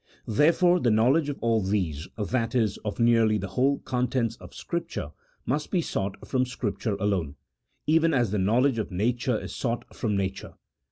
There fore the knowledge of all these — that is, of nearly the whole contents of Scripture, must be sought from Scripture alone, even as the knowledge of nature is sought from nature.